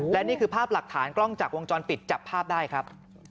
และนี่คือภาพหลักฐานกล้องจากวงจรปิดจับภาพได้ครับ